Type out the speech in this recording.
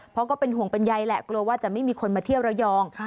เพราะก็เป็นห่วงเป็นใยแหละกลัวว่าจะไม่มีคนมาเที่ยวระยอง